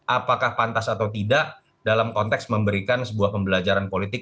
apakah pantas atau tidak dalam konteks memberikan sebuah pembelajaran politik